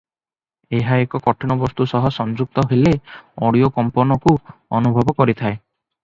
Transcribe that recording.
ଏହା କଠିନ ବସ୍ତୁ ସହ ସଂଯୁକ୍ତ ହେଲେ ଅଡିଓ କମ୍ପନକୁ ଅନୁଭବ କରିଥାଏ ।